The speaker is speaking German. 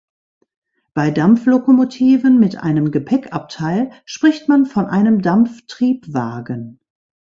Bei Dampflokomotiven mit einem Gepäckabteil spricht man von einem Dampftriebwagen.